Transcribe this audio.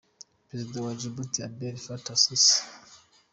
Perezida wa Egypt Abdel Fattah Al-Sisi